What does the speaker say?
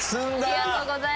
ありがとうございます。